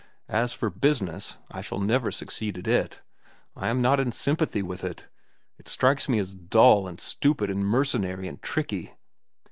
As for business, I shall never succeed at it. I am not in sympathy with it. It strikes me as dull, and stupid, and mercenary, and tricky.